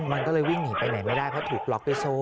มันก็เลยหญิงไปไหนไม่ได้เขาถูกบล็อกด้วยโซ่